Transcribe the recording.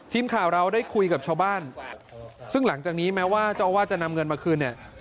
ทีมข่าวเราได้คุยกับชาวบ้านซึ่งหลังจากนี้แม้ว่าเจ้าอาวาสจะนำเงินมาคืนเนี่ย